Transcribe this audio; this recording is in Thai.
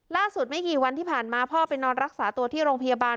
ไม่กี่วันที่ผ่านมาพ่อไปนอนรักษาตัวที่โรงพยาบาล